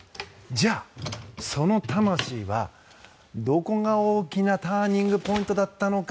じゃあ、その魂はどこが大きなターニングポイントだったのか。